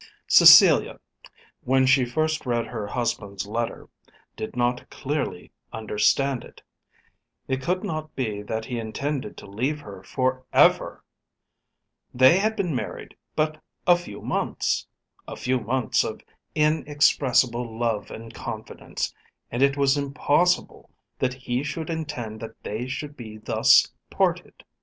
Cecilia, when she first read her husband's letter, did not clearly understand it. It could not be that he intended to leave her for ever! They had been married but a few months, a few months of inexpressible love and confidence; and it was impossible that he should intend that they should be thus parted.